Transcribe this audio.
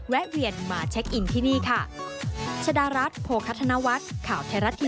แวนมาเช็คอินที่นี่ค่ะ